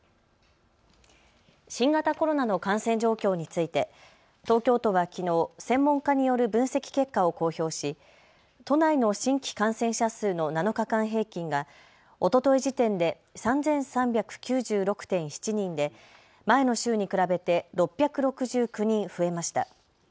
新型コロナの感染状況について東京都はきのう専門家による分析結果を公表し都内の新規感染者数の７日間平均がおととい時点で３３９６．７人で前の週に比べて６６９人増えました。